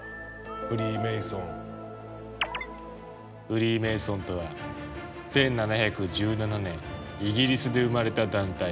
フリーメイソンとは１７１７年イギリスで生まれた団体。